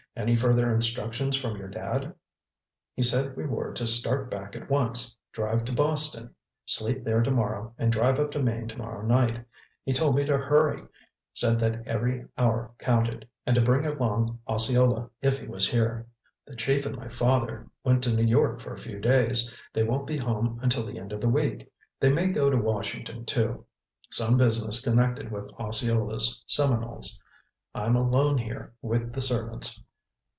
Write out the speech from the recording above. "Any further instructions from your Dad?" "He said we were to start back at once. Drive to Boston. Sleep there tomorrow and drive up to Maine tomorrow night. He told me to hurry—said that every hour counted, and to bring along Osceola if he was here." "The Chief and my father went to New York for a few days. They won't be home until the end of the week. They may go to Washington, too. Some business connected with Osceola's Seminoles. I'm alone here with the servants.